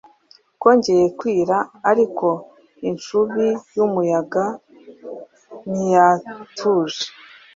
Bwongeye kwira ariko incubi y’umuyaga ntiyatuje.